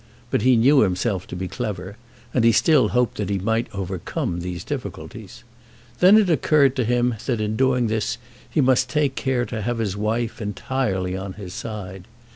But he knew himself to be clever, and he still hoped that he might overcome these difficulties. Then it occurred to him that in doing this he must take care to have his wife entirely on his side.